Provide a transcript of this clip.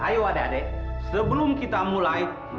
ayo adik adik sebelum kita mulai